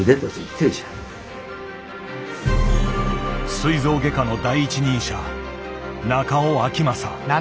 すい臓外科の第一人者中尾昭公。